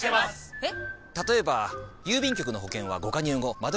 えっ⁉